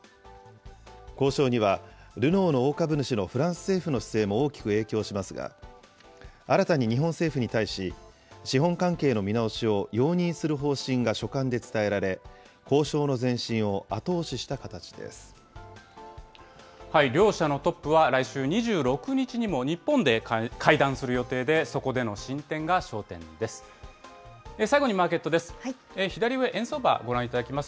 交渉にはルノーの大株主のフランス政府の姿勢も大きく影響しますが、新たに日本政府に対し、資本関係の見直しを容認する方針が書簡で伝えられ、交渉の前進を両社のトップは、来週２６日にも日本で会談する予定で、そこでの進展が焦点です。